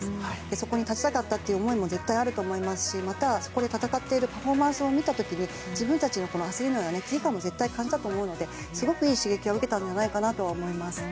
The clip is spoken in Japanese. そこに立ちたかったという思いも絶対あると思いますしまたそこで戦っているパフォーマンスを見た時に自分たちの焦りというか危機感も絶対に感じたと思うのですごくいい刺激を受けたんじゃないかなと思います。